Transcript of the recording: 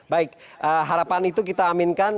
baik harapan itu kita aminkan